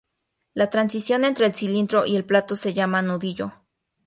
La transición entre el cilindro y el plato se llama nudillo.